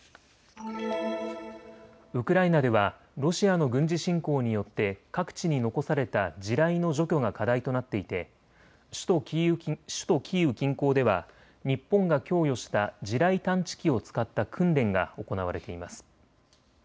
ウクライナではロシアの軍事侵攻によって各地に残された地雷の除去が課題となっていて首都キーウ近郊では日本が供与した地雷探知機を使った訓練が行われています。